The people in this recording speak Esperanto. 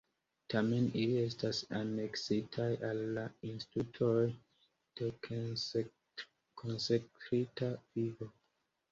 Tamen ili estas aneksitaj al la institutoj de konsekrita vivo.